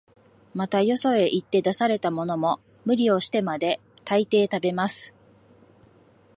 また、よそへ行って出されたものも、無理をしてまで、大抵食べます